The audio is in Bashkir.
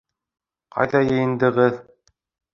Ҡайҙа йыйындығыҙ?